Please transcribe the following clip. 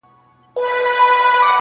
ما پر سترګو د ټولواک امر منلی،